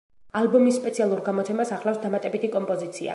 ალბომის სპეციალურ გამოცემას ახლავს დამატებითი კომპოზიცია.